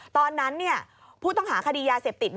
ตอนนั้นผู้ต้องหาคดียาเสพติด